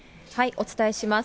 お伝えします。